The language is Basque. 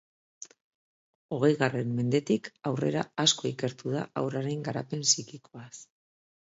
Hogeigarren mendetik aurrera asko ikertu da haurren garapen psikikoaz.